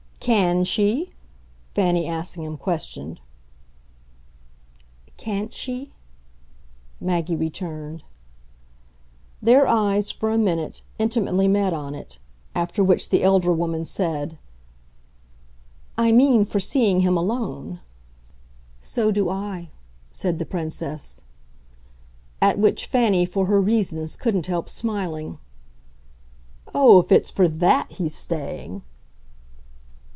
"CAN she?" Fanny Assingham questioned. "CAN'T she?" Maggie returned. Their eyes, for a minute, intimately met on it; after which the elder woman said: "I mean for seeing him alone." "So do I," said the Princess. At which Fanny, for her reasons, couldn't help smiling. "Oh, if it's for THAT he's staying